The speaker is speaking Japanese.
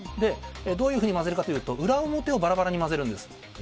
どういうふうに混ぜるかというと裏表をバラバラに混ぜるんです。